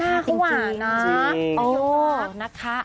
น่าขวาจริง